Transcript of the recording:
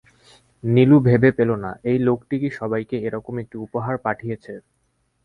নীলু ভেবে পেল না, এই লোকটি কি সবাইকে এ রকম একটি উপহার পাঠিয়েছে?